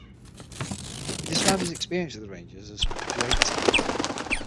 He described his experience with the Rangers as great.